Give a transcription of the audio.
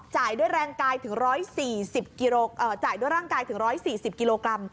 อ๋อจ่ายด้วยร่างกายถึง๑๔๐กิโลกรัม